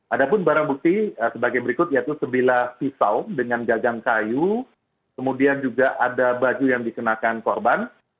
ada pun barang bukti sebagai berikut yaitu sebilah pisau dengan gagang kayu kemudian juga ada baju yang dikenakan korban